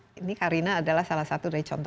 dan kita tadi ini karina adalah salah satu dari kita